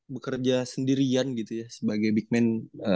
bekerja sendirian gitu ya sebagai big man